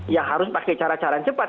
ya harus pakai cara cara yang cepat